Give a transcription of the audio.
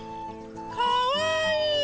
かわいい！